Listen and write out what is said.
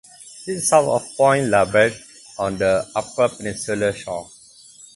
It is south of Point La Barbe on the Upper Peninsula shore.